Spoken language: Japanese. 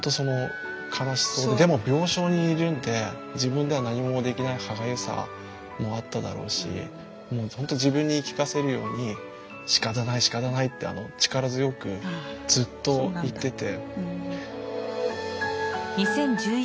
でも病床にいるんで自分では何もできない歯がゆさもあっただろうしもう本当自分に言い聞かせるようにしかたないしかたないって力強くずっと言ってて。